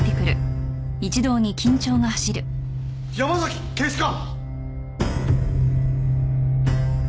山崎警視監！